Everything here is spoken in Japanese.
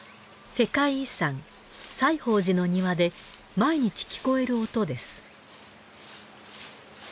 世界遺産西芳寺の庭で毎日聞こえる音です。